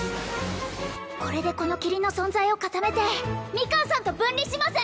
これでこの霧の存在を固めてミカンさんと分離します！